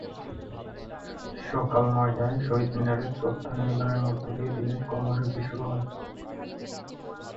সকাল নয়টায় শহীদ মিনারে শ্রদ্ধা নিবেদনের মধ্য দিয়ে দিনের কর্মসূচি শুরু হয়।